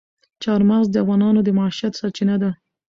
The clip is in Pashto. چار مغز د افغانانو د معیشت سرچینه ده.